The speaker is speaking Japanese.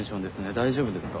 大丈夫ですか？